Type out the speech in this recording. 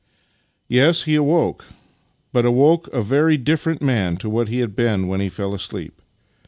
Yes, he awoke — but awoke a very different man to what he had been when he fell asleep.